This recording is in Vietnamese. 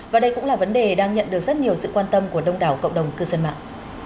và đây cũng là vấn đề đang nhận được rất nhiều sự quan tâm của đông đảo cộng đồng cư dân mạng